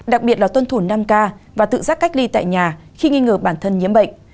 đặc biệt là tuân thủ năm k và tự giác cách ly tại nhà khi nghi ngờ bản thân nhiễm bệnh